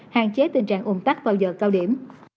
hạn chế tình trạng ủng tắc vào giờ cao điểm